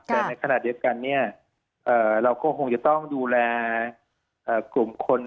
แต่ในขณะเดียวกันเนี่ยเราก็คงจะต้องดูแลกลุ่มคน